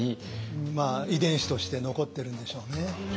遺伝子として残ってるんでしょうね。